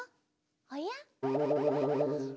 おや？